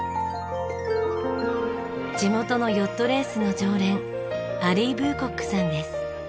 地元のヨットレースの常連アリーブーコックさんです。